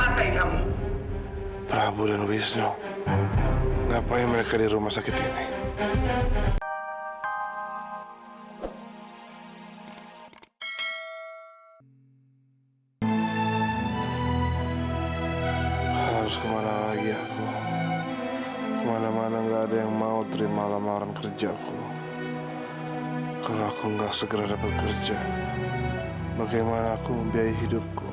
sampai jumpa di rumah sakit ini